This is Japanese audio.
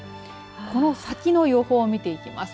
この先の予報を見ていきます。